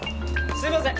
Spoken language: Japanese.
すいません！